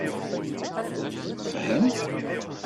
Tefhem.